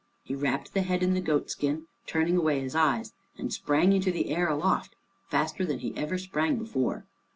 He wrapped the head in the goat skin, turning away his eyes, and sprang into the air aloft, faster than he ever sprang before.